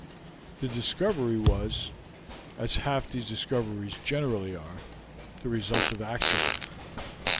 The discovery was, as half these discoveries generally are, the result of accident.